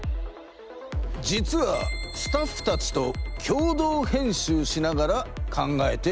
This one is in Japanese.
実はスタッフたちと共同編集しながら考えているのだ。